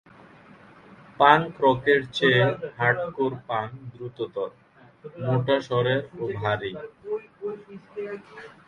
Punk রকের চেয়ে hardcore punk দ্রুততর, মোটা স্বরের ও ভারী।